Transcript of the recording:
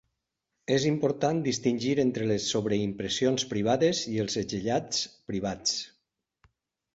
És important distingir entre les sobreimpressions privades i els segellats privats.